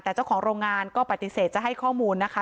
แต่เจ้าของโรงงานก็ปฏิเสธจะให้ข้อมูลนะคะ